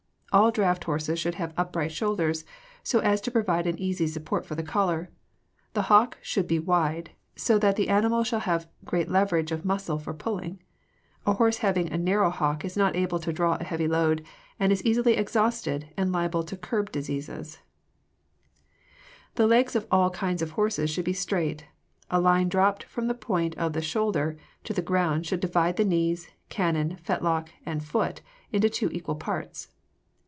All draft horses should have upright shoulders, so as to provide an easy support for the collar. The hock should be wide, so that the animal shall have great leverage of muscle for pulling. A horse having a narrow hock is not able to draw a heavy load and is easily exhausted and liable to curb diseases (see Figs. 242 and 243). [Illustration: FIG. 244. THE ROADSTER TYPE] The legs of all kinds of horses should be straight; a line dropped from the point of the shoulder to the ground should divide the knees, canon, fetlock, and foot into two equal parts.